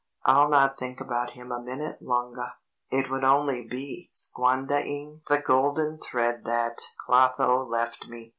I'll not think about him a minute longah. It would only be squandahing the golden thread that Clotho left me."